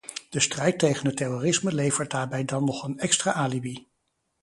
De strijd tegen het terrorisme levert daarbij dan nog een extra alibi.